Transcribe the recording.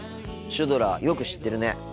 シュドラよく知ってるね。